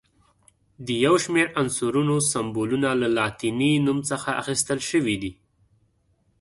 د یو شمېر عنصرونو سمبولونه له لاتیني نوم څخه اخیستل شوي دي.